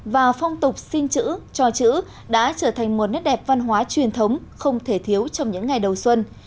và phong tục xin chữ cho chữ đã trở thành một nét đẹp văn hóa truyền thống không thể thiếu trong những ngày đầu xuân